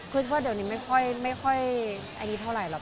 คิดว่าเดี๋ยวนี้ไม่ค่อยอะไรนี้เท่าไหร่เหรอะ